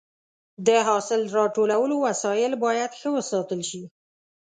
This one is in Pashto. د حاصل راټولولو وسایل باید ښه وساتل شي.